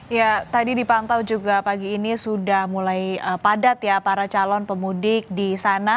ya tadi dipantau juga pagi ini sudah mulai padat ya para calon pemudik di sana